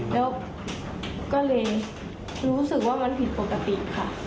แล้วก็เลยรู้สึกว่ามันผิดปกติค่ะ